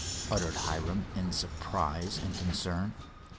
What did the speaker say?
uttered Hiram, in surprise and concern.